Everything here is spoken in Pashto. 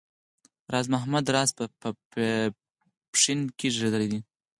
راز محمد راز په پښین کې زېږېدلی دی